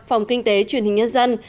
phòng kinh tế truyền hình nhân dân